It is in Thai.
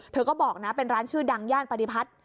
เธอก็บอกนะเป็นร้านชื่อดังย่านปฏิพัฒน์